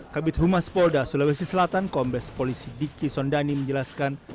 kabit humas polda sulawesi selatan kombes polisi diki sondani menjelaskan